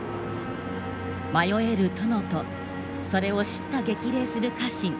迷える殿とそれを叱咤激励する家臣。